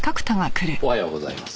おはようございます。